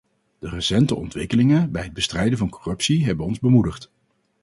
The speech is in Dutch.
De recente ontwikkelingen bij het bestrijden van corruptie hebben ons bemoedigd.